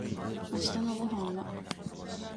明日のご飯は